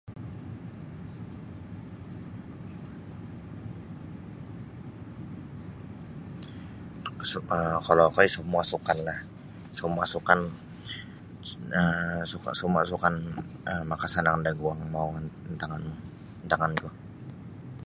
[unintelligible] Kalau okoi semua sukanlah semua sukan um suka semua sukan um makasanang da guang mau antangan antangan ku.